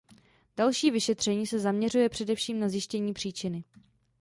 Další vyšetření se zaměřuje především na zjištění příčiny.